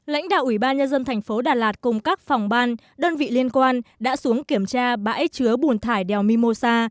lãnh đạo ủy ban nhân dân thành phố đà lạt cùng các phòng ban đơn vị liên quan đã xuống kiểm tra bãi chứa bùn thải đèo mimosa